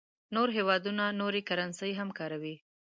نور هېوادونه نورې کرنسۍ هم کاروي.